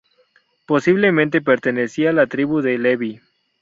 Posiblemente pertenecía a la tribu de Leví.